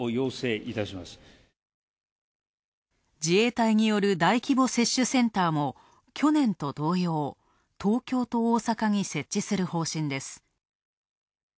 自衛隊による大規模接種センターも去年と同様、東京と大阪に設置する方針です。